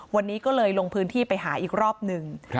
วันนี้ก็เลยลงพื้นที่ไปหาอีกรอบหนึ่ง